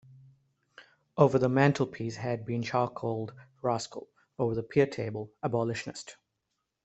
Over the mantel-piece had been charcoaled 'Rascal'; over the pier-table, 'Abolitionist.